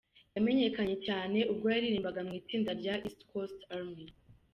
Yamenyekanye cyane ubwo yaririmbaga mu itsinda rya East Coast Army.